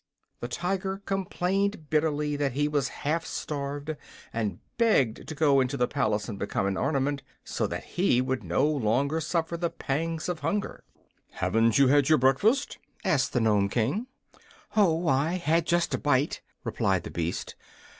The Tiger complained bitterly that he was half starved, and begged to go into the palace and become an ornament, so that he would no longer suffer the pangs of hunger. "Haven't you had your breakfast?" asked the Nome King. "Oh, I had just a bite," replied the beast.